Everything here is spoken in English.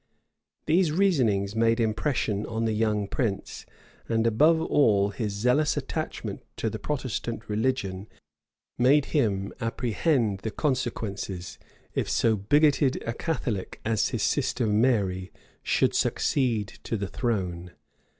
These reasonings made impression on the young prince; and above all, his zealous attachment to the Protestant religion made him apprehend the consequences if so bigoted a Catholic as his sister Mary should succeed to the throne.